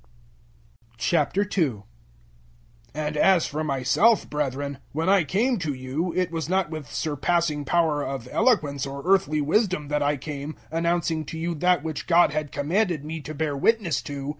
002:001 And as for myself, brethren, when I came to you, it was not with surpassing power of eloquence or earthly wisdom that I came, announcing to you that which God had commanded me to bear witness to.